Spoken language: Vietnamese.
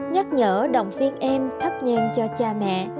nhắc nhở động viên em thắp nhang cho cha mẹ